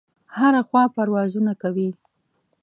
هره خوا پروازونه کوي.